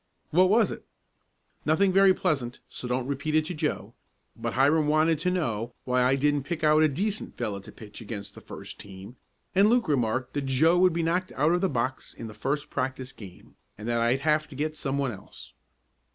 "What was it?" "Nothing very pleasant, so don't repeat it to Joe, but Hiram wanted to know why I didn't pick out a decent fellow to pitch against the first team, and Luke remarked that Joe would be knocked out of the box in the first practice game, and that I'd have to get some one else."